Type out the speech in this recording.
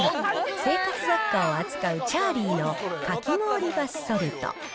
生活雑貨を扱うチャーリーのかき氷バスソルト。